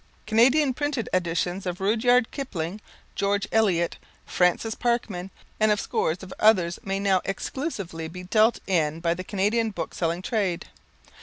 Canadian printed editions of Rudyard Kipling, George Eliot, Francis Parkman, and of scores of others may now exclusively be dealt in by the Canadian book selling trade.